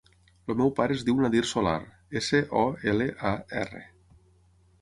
El meu pare es diu Nadir Solar: essa, o, ela, a, erra.